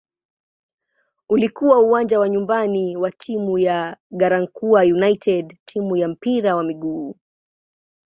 Ulikuwa uwanja wa nyumbani wa timu ya "Garankuwa United" timu ya mpira wa miguu.